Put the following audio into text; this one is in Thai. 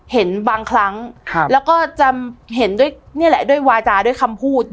เห็นบางครั้งแล้วก็จะเห็นด้วยนี่แหละด้วยวาจาด้วยคำพูด